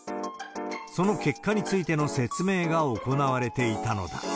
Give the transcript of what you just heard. その結果についての説明が行われていたのだ。